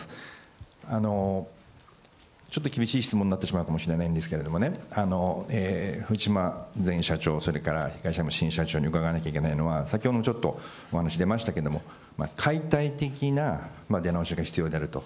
ちょっと厳しい質問になってしまうかもしれないんですけどね、藤島前社長、それから東山新社長に伺わなきゃいけないのは、先ほどもちょっと、お話出ましたけれども、解体的な出直しが必要であると。